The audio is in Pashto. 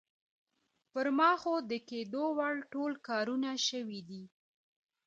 پر ما خو د کېدو وړ ټول کارونه شوي دي.